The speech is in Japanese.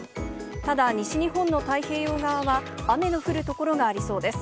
ただ、西日本の太平洋側は雨の降る所がありそうです。